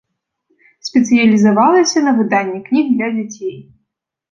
Спецыялізавалася на выданні кніг для дзяцей.